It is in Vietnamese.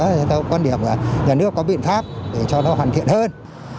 chúng ta có quan điểm là nhà nước có biện pháp để cho nó hoàn thiện hơn